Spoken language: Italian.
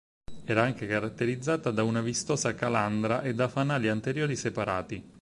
Era anche caratterizzata da una vistosa calandra e da fanali anteriori separati.